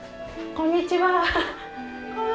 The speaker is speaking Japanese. こんにちは。